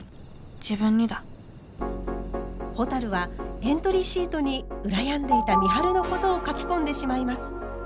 自分にだほたるはエントリーシートに羨んでいた美晴のことを書き込んでしまいます。